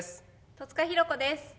戸塚寛子です。